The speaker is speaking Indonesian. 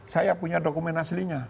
saya punya dokumen aslinya